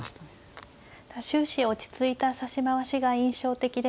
終始落ち着いた指し回しが印象的でした。